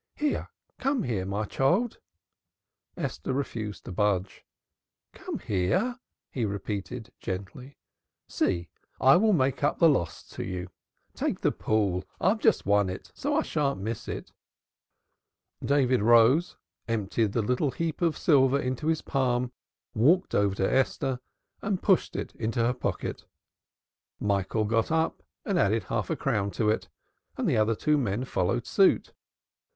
"Here, come here, my child."' Esther refused to budge. "Come here," he repeated gently. "See, I will make up the loss to you. Take the pool. I've just won it, so I shan't miss it." Esther sobbed louder, but she did not move. David rose, emptied the heap of silver into his palm, walked over to Esther, and pushed it into her pocket. Michael got up and added half a crown to it, and the other two men followed suit.